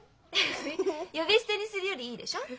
フフフ呼び捨てにするよりいいでしょ？